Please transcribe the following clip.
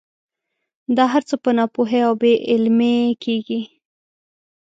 دا هر څه په ناپوهۍ او بې علمۍ کېږي.